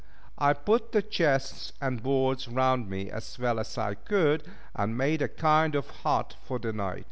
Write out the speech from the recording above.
I put the chests and boards round me as well as I could, and made a kind of hut for the night.